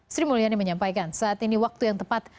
sri mulyani menyampaikan saat ini waktu yang tepat